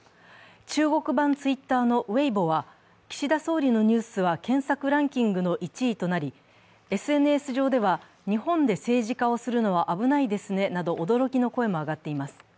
中国版ＴｗｉｔｔｅｒのＷｅｉｂｏは岸田総理のニュースは検索ランキングの１位となり、ＳＮＳ上では日本で政治家をするのは危ないですねなど驚きの声も上がっています。